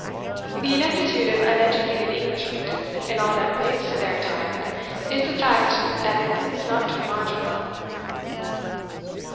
The ineptitude of uneducated English women in all that relates to their attire is a fact that it boots not to enlarge upon.